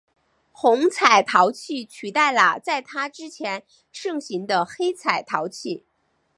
红彩陶器取代了在它之前盛行的黑彩陶器。